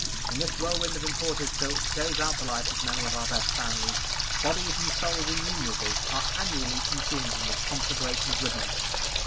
In this whirlwind of imported silks goes out the life of many of our best families. Bodies and souls innumerable are annually consumed in this conflagration of ribbons.